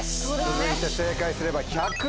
続いて正解すれば。